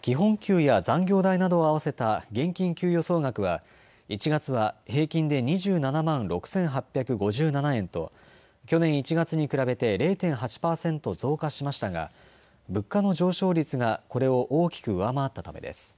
基本給や残業代などを合わせた現金給与総額は１月は平均で２７万６８５７円と去年１月に比べて０．８％増加しましたが物価の上昇率がこれを大きく上回ったためです。